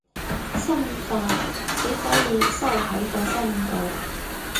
心法，只可以收喺個心度